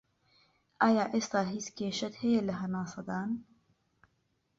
ئایا ئێستا هیچ کێشەت هەیە لە هەناسەدان